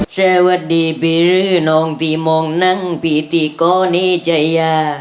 แช่วัดดีพี่รื้อน้องที่มองนั่งพี่ที่ก้อนี่ใจยา